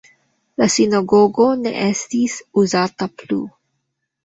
La sinagogo ne estis uzata plu.